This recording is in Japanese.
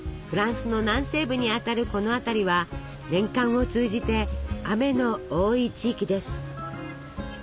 フランスの南西部にあたるこの辺りは年間を通じて雨の多い地域です。